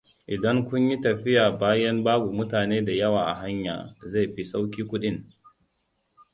Idan kun yi tafiya bayan babu mutane dayawa a hanya, zai fi sauƙi kuɗin.